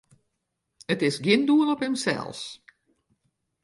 It is gjin doel op himsels.